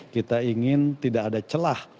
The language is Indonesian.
kita ingin tidak ada celah